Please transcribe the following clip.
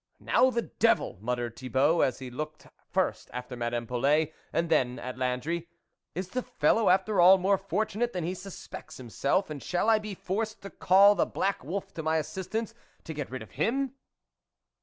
" Now, the devil !" muttered Thibault, as he looked first after Madame Polet and then at Landry, " is the fellow after all more fortunate than he suspects himself, and shall I be forced to call the black wolf to my assistance to get rid of him